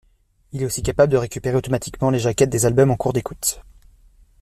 Il est aussi capable de récupérer automatiquement les jaquettes des albums en cours d'écoute.